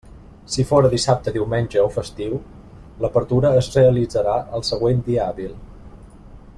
Si fóra dissabte, diumenge o festiu, l'apertura es realitzarà el següent dia hàbil.